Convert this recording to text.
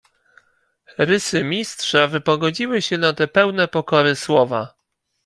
"Rysy mistrza wypogodziły się na te pełne pokory słowa."